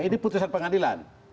ini putusan pengadilan